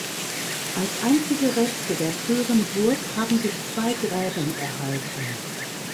Als einzige Reste der früheren Burg haben sich zwei Gräben erhalten.